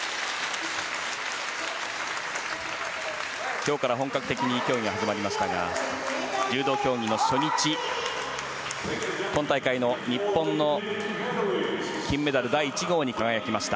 今日から本格的に競技が始まりましたが柔道競技の初日今大会の日本の金メダル第１号に輝きました。